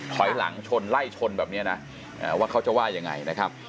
ถอยหลังชนไล่ชนแบบนี้นะว่าเขาจะว่ายังไงนะครับ